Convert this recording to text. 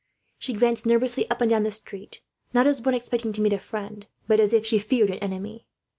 She glanced nervously up and down the street, not as one expecting to meet a friend, but as if she feared an enemy.